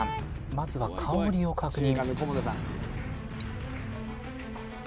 まずは香りを確認